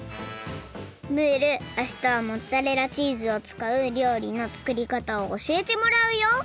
ムールあしたはモッツァレラチーズをつかうりょうりの作りかたをおしえてもらうよ！